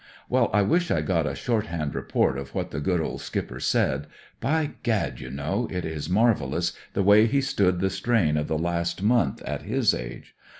Well, I wish I'd got a shorthand report of what the good old skipper said — By gad, you know, it is marvellous the way he's stood the strain of the last month, at his age.